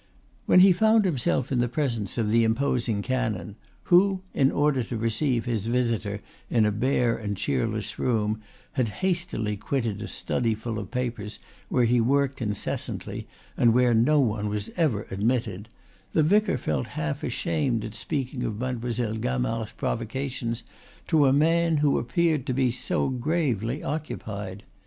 When he found himself in presence of the imposing canon, who, in order to receive his visitor in a bare and cheerless room, had hastily quitted a study full of papers, where he worked incessantly, and where no one was ever admitted, the vicar felt half ashamed at speaking of Mademoiselle Gamard's provocations to a man who appeared to be so gravely occupied.